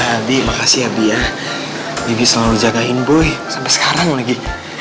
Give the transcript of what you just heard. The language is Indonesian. ibu makasih ibu ya ibu selalu jagain ibu sampai sekarang lagi